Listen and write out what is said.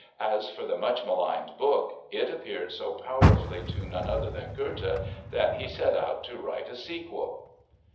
As for the much maligned book, it appealed so powerfully to none other than Goethe that he set out to write a sequel!